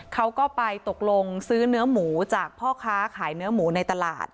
เขาก็ไปตกลงซื้อเนื้อหมูจากพ่อค้าขายเนื้อหมูในตลาด